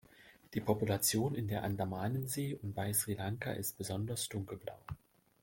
Die Population in der Andamanensee und bei Sri Lanka ist besonders dunkelblau.